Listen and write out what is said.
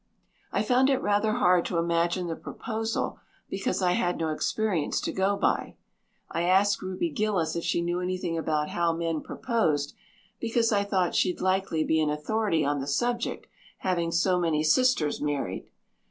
I found it rather hard to imagine the proposal because I had no experience to go by. I asked Ruby Gillis if she knew anything about how men proposed because I thought she'd likely be an authority on the subject, having so many sisters married.